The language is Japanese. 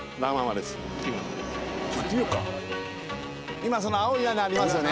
今その青い屋根ありますよね。